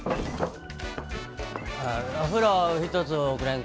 お風呂ひとつおくれんか。